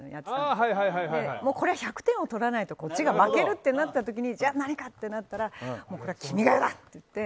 で、これは１００点を取らないとこっちが負けるとなった時じゃあ何かとなったら「君が代」だ！ってなって。